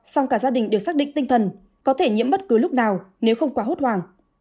song cả gia đình đều xác định tinh thần có thể nhiễm bất cứ lúc nào nếu không quá hốt hoảng